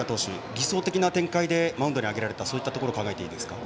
理想的な展開でマウンドにあげられたそういったことを考えていいんですか。